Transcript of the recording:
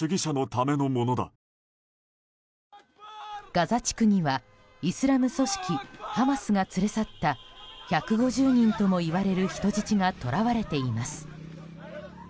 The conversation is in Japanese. ガザ地区にはイスラム組織ハマスが連れ去った１５０人ともいわれる人質がとらわれています。